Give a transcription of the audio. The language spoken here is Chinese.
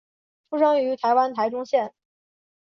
出生于台湾台中县。